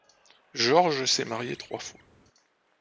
Jorge s'est marié trois fois.